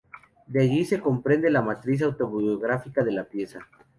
De allí se comprende la matriz autobiográfica de la pieza.